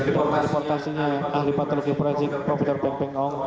dan dideportasinya ahli patologi prasik prof beng beng ong